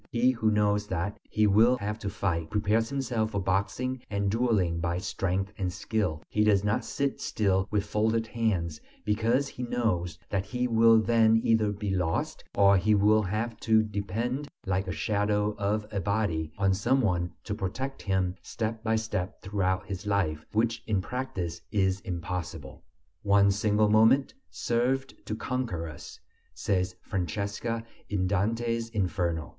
He who knows that he will have to fight, prepares himself for boxing and dueling by strength and skill; he does not sit still with folded hands, because he knows that he will then either be lost or he will have to depend, like the shadow of a body, on some one to protect him step by step throughout his life, which in practise is impossible. One single moment served to conquer us, says Francesca, in Dante's Inferno.